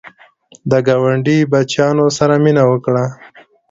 د ګاونډي بچیانو سره مینه وکړه